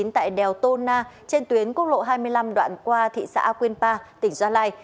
tại đèo tô na trên tuyến quốc lộ hai mươi năm đoạn qua thị xã quyên pa tỉnh gia lai